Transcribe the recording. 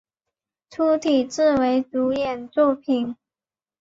粗体字为主演作品